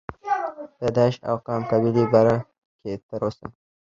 پيدائش او قام قبيلې باره کښې تر اوسه